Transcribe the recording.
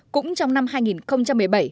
cũng trong năm hai nghìn một mươi bảy